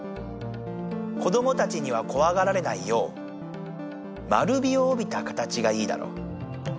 子どもたちにはこわがられないよう丸みをおびた形がいいだろう。